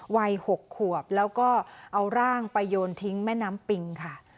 วัย๖ขวบแล้วก็เอาร่างไปโยนทิ้งแม่น้ำปิงค่ะ